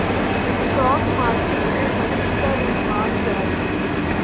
stock market میں مندی کا رجحان جاری